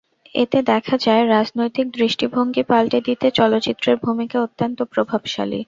এতে দেখা যায়, রাজনৈতিক দৃষ্টিভঙ্গি পাল্টে দিতে চলচ্চিত্রের ভূমিকা অত্যন্ত প্রভাবশালী।